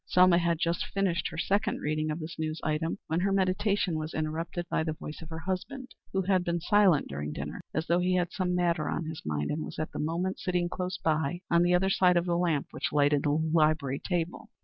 Selma had just finished her second reading of this news item when her meditation was interrupted by the voice of her husband, who had been silent during dinner, as though he had some matter on his mind, and was at the moment sitting close by, on the other side of the lamp which lighted the library table.